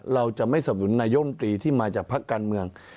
เราจะไม่สำนุนนายมตรีที่มาจากพักการเมือง